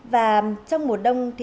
và trong mùa đông